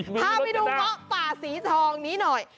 พาไปดูเงาะป่าสีทองนี้หน่อย